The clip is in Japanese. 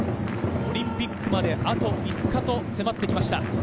オリンピックまであと５日と迫ってきました。